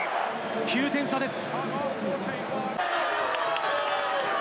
９点差です。